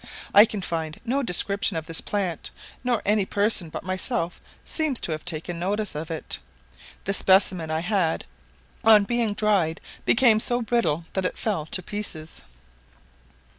I can find no description of this plant, nor any person but myself seems to have taken notice of it. The specimen I had on being dried became so brittle that it fell to pieces.